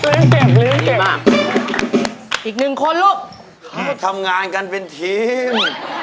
เลี้ยงเจ็บเลี้ยงเจ็บมากอีกหนึ่งคนลูกครับทำงานกันเป็นทีม